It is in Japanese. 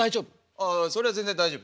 ああそれは全然大丈夫。